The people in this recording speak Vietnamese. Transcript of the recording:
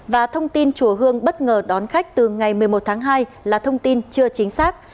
và thông tin chùa hương bất ngờ đón khách từ ngày một mươi một tháng hai là thông tin chưa chính xác